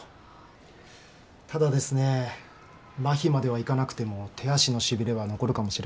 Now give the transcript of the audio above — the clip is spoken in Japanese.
麻痺まではいかなくても手足のしびれは残るかもしれません。